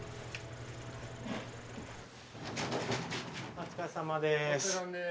お疲れさまです。